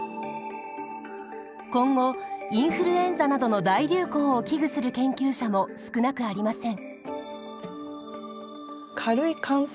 今後インフルエンザなどの大流行を危惧する研究者も少なくありません。